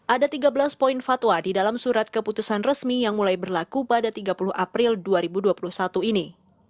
ada tiga belas poin fatwa di dalam surat keputusan resmi yang mulai berlaku pada tiga puluh april dua ribu dua puluh satu ini